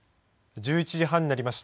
１１時半になりました。